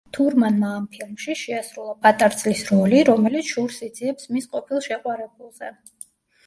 თურმანმა ამ ფილმში შეასრულა პატარძლის როლი, რომელიც შურს იძიებს მის ყოფილ შეყვარებულზე.